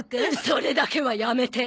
それだけはやめて！